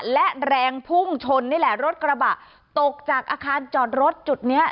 และแรงพุ่งชนนี่แหละรถกระบะตกจากอาคารจอดรถจุดนี้